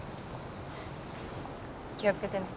気をつけてね。